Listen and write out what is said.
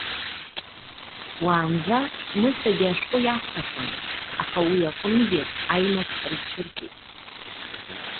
Уаанӡа, Мысагьы ашәҟәы иаҳҭахьан, аха уи аҟынгьы аимак рызцәырҵит.